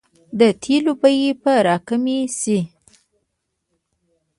د تیلو بیې به راکمې شي؟